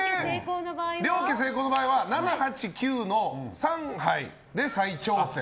両家成功の場合は７、８、９の３牌で再挑戦。